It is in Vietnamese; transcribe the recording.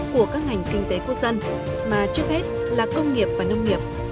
của các ngành kinh tế quốc dân mà trước hết là công nghiệp và nông nghiệp